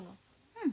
うん。